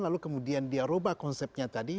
lalu kemudian dia ubah konsepnya tadi